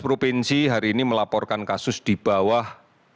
sembilan belas provinsi hari ini melaporkan kasus di bawah sepuluh